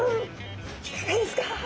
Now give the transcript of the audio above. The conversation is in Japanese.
いかがですか？